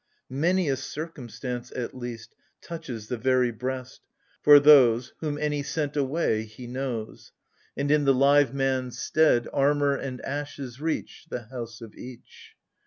Many a circumstance, at least, Touches the very breast. For those AGAMEMNON. 37 Whom any sent away, — he knows : And in the live man's stead, Armour and ashes reach The house of each.